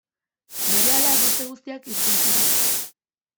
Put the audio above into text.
Berehala beste guztiak irten ziren.